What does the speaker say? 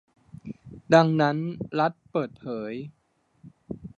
ดังนั้นรัฐเปิดเผย